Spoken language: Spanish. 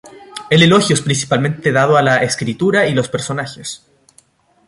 El elogio es principalmente dado a la escritura y los personajes.